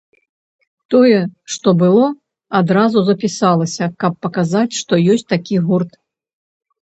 Тое, што было, адразу запісалася, каб паказаць, што ёсць такі гурт.